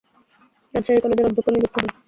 রাজশাহী কলেজের অধ্যক্ষ নিযুক্ত হন।